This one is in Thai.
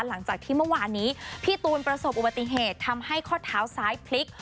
หลังจากที่เมื่อวานนี้พี่ตูนประสบอุบัติเหตุทำให้ข้อเท้าซ้ายพลิก